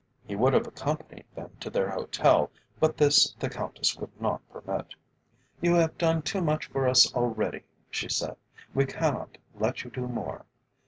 He would have accompanied them to their hotel, but this the Countess would not permit. "You have done too much for us already," she said; "we cannot let you do more.